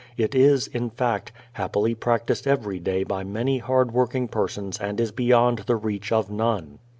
It is, in fact, happily practiced every day by many hard working persons and is beyond the reach of none.